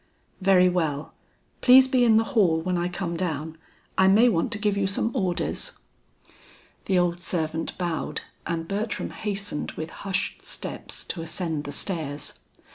"Very well. Please be in the hall when I come down; I may want to give you some orders." The old servant bowed and Bertram hastened with hushed steps to ascend the stairs.